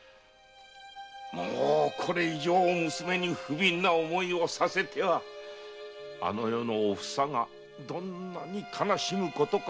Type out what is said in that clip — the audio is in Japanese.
もうこれ以上娘に不憫な思いをさせてはあの世のおふさがどんなに悲しむことか！